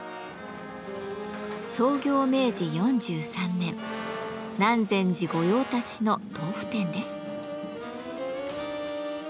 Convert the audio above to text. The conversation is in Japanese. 創業明治４３年南禅寺御用達の豆腐店です。